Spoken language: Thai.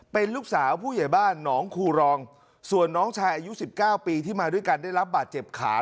เป็นลูกสาวผู้ใหญ่บ้านหนองคูรองส่วนน้องชายอายุ๑๙ปีที่มาด้วยกันได้รับบาดเจ็บขา